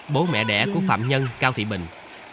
bố mẹ đẻ của phạm nhân cao thị bình